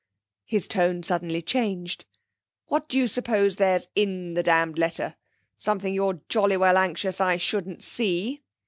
His tone suddenly changed. 'What do you suppose there's in the damned letter? Something you're jolly well anxious I shouldn't see.'